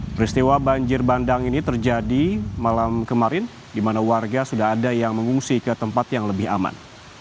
peristiwa banjir bandang ini terjadi malam kemarin di mana warga sudah ada yang mengungsi ke tempat yang lebih aman